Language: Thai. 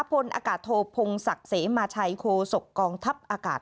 พลอากาศโทพงศักดิ์เสมาชัยโคศกกองทัพอากาศ